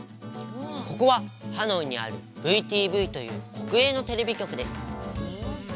ここはハノイにある「ＶＴＶ」というこくえいのテレビきょくです。